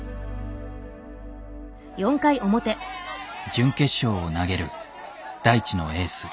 準決勝を投げる大智のエース森本。